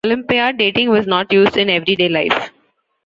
Olympiad dating was not used in everyday life.